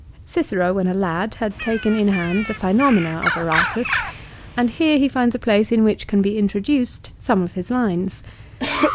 Cicero when a lad had taken in hand the "Phenomena" of Aratus, and here he finds a place in which can be intro duced some of his lines.